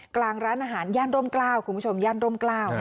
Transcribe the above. กลางร้านอาหารย่านร่มกล้าวคุณผู้ชมย่านร่มกล้าว